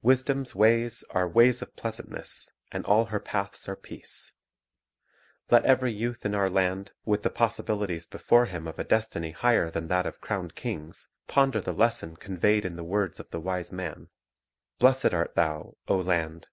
Wisdom's "ways are ways of pleasantness, and all her paths are peace." 1 Let every youth in our land, with the possibilities before him of a destiny higher than that of crowned kings, ponder the lesson con veyed in the words of the wise man, "Blessed art thou, O land, when